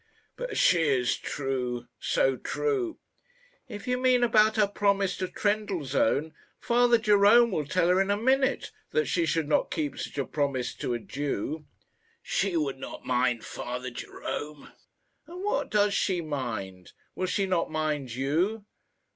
"But she is true so true!" "If you mean about her promise to Trendellsohn, Father Jerome would tell her in a minute that she should not keep such a promise to a Jew." "She would not mind Father Jerome." "And what does she mind? Will she not mind you?"